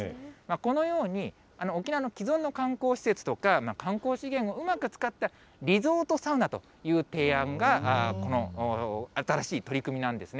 このように、沖縄の既存の観光施設とか、観光資源をうまく使ったリゾートサウナという提案が、この新しい取り組みなんですね。